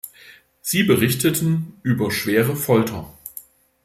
Sie berichteten über schwere Folter.